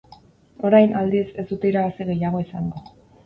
Orain, aldiz, ez dute irabazi gehiago izango.